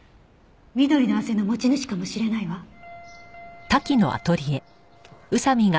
緑の汗の持ち主かもしれないわ。